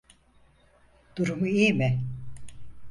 Durumu iyi mi?